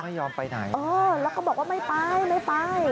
ไม่ยอมไปไหนเออแล้วก็บอกว่าไม่ไปไม่ไป